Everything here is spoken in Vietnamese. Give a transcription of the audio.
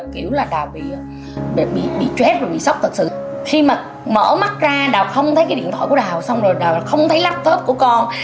khi mà mở mắt ra đào không thấy cái điện thoại của đào xong rồi đào không thấy laptop của con